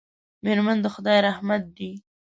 میرمن د خدای رحمت دی.